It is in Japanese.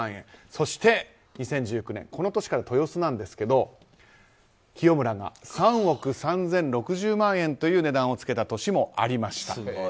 そして、２０１９年この年から豊洲なんですけど喜代村が３億３３６０万円という値段を付けた年もありました。